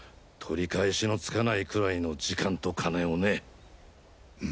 取り返しのつかないくらいの時間と金をね。